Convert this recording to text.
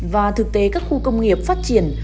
và thực tế các khu công nghiệp phát triển